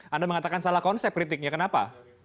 anda mengatakan salah konsep kritiknya kenapa